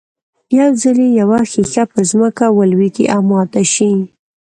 يو ځل چې يوه ښيښه پر ځمکه ولوېږي او ماته شي.